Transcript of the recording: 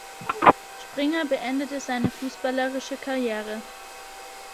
Springer beendete seine fußballerische Karriere.